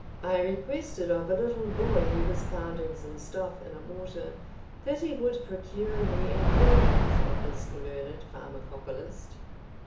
I requested of a little boy who was pounding some stuff in a mortar, that he would procure me an audience of this learned pharmacopolist.